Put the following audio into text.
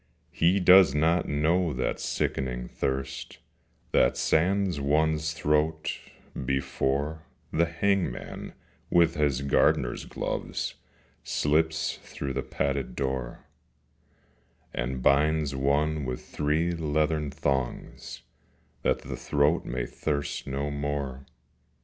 He does not know that sickening thirst That sands one's throat, before The hangman with his gardener's gloves Slips through the padded door, And binds one with three leathern thongs, That the throat may thirst no more.